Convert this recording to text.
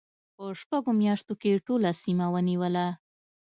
په شپږو میاشتو کې یې ټوله سیمه ونیوله.